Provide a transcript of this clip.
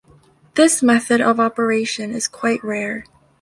This method of operation is quite rare.